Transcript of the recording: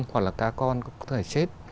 hoặc là cá con có thể chết